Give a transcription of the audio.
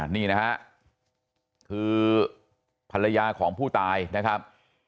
นี่นะฮะคือภรรยาของผู้ตายนะครับ